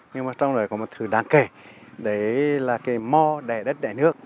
nhưng mà trong đấy có một thứ đáng kể đấy là cái mò đẻ đất đẻ nước